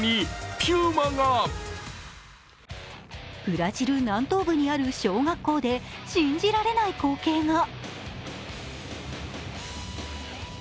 ブラジル南東部にある小学校で信じられない光景が。